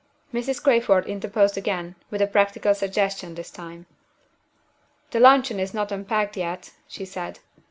Mrs. Crayford interposed again, with a practical suggestion this time. "The luncheon is not unpacked yet," she said.